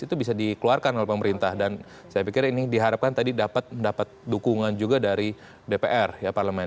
itu bisa dikeluarkan oleh pemerintah dan saya pikir ini diharapkan tadi dapat mendapat dukungan juga dari dpr ya parlemen